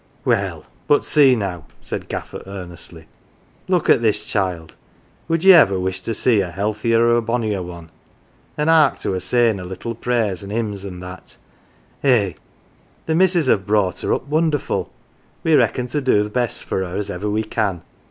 " Well, but see now," said Gaffer earnestly. " Look at this child ; would ye ever wish to see a healthier or a bonnier one ? An 1 'ark to her sayin' her little prayers an' hymns an' that eh, the missus have brought her up wonderful. We reckon to do th' best for her as ever we can.